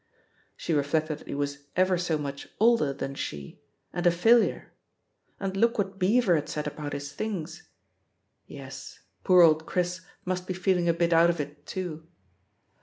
She reflected that he was "ever so much" older than she, and a failure — and look what Beaver had said about his things! ••• Yes, poor old Chris must be feeling a bit out of it, too.